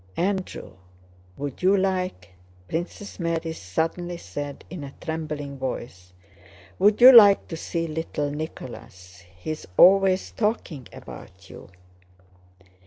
"Andrew, would you like..." Princess Mary suddenly said in a trembling voice, "would you like to see little Nicholas? He is always talking about you!"